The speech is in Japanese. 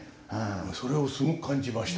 それをすごく感じました。